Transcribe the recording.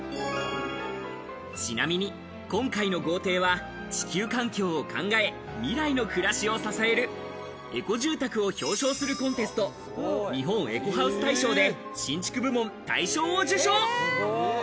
ちなみに今回の豪邸は地球環境を考え、未来の暮らしを支える、エコ住宅を表彰するコンテスト、日本エコハウス大賞で、新築部門大賞を受賞。